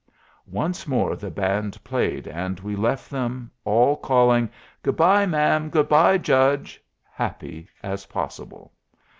Once more the band played, and we left them, all calling, "Good bye, ma'am. Good bye, judge," happy as possible.